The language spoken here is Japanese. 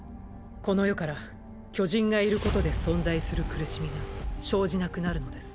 この世から巨人がいることで存在する苦しみが生じなくなるのです。